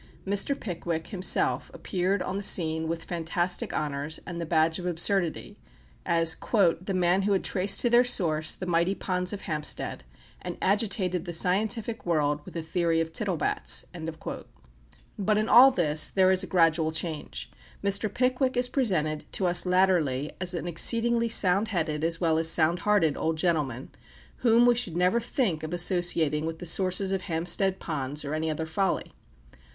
Mr. Pickwick himself appeared on the scene with fantastic honours and the badge of absurdity, as "the man who had traced to their source the mighty ponds of Hampstead, and agitated the scientific world with the Theory of Tittlebats." But in all this there is a gradual change. Mr. Pickwick is presented to us latterly as an exceedingly sound headed as well as sound hearted old gentleman, whom we should never think of associating with the sources of Hampstead Ponds or any other folly.